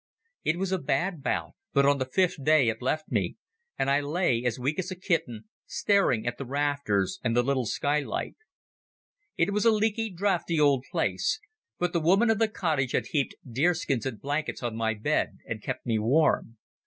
It was a bad bout, but on the fifth day it left me, and I lay, as weak as a kitten, staring at the rafters and the little skylight. It was a leaky, draughty old place, but the woman of the cottage had heaped deerskins and blankets on my bed and kept me warm.